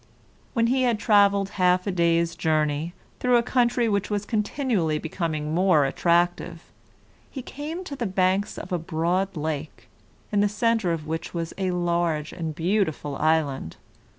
When he had traveled half a day's journey, through a country which was continually becoming more attractive, he came to the banks of a broad lake, in the center of which was a large and beautiful island.